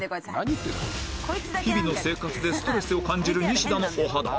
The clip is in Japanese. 日々の生活でストレスを感じるニシダのお肌